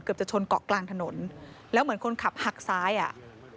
จะชนเกาะกลางถนนแล้วเหมือนคนขับหักซ้ายอ่ะ